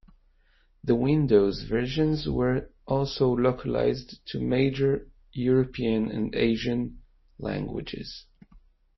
The Windows versions were also localized to major European and Asian languages.